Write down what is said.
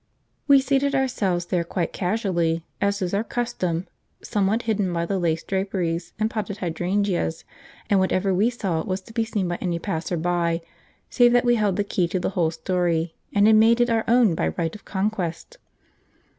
We seated ourselves there quite casually, as is our custom, somewhat hidden by the lace draperies and potted hydrangeas, and whatever we saw was to be seen by any passer by, save that we held the key to the whole story, and had made it our own by right of conquest.